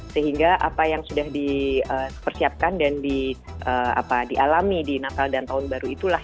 sehingga apa yang sudah dipersiapkan dan dialami di natal dan tahun baru itulah